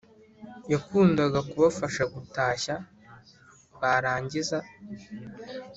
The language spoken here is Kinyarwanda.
Yakundaga kubafasha gutashya, barangiza